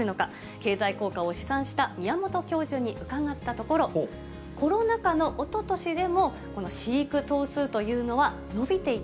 経済効果を試算した宮本教授に伺ったところ、コロナ禍のおととしでも、飼育頭数というのは、伸びていた。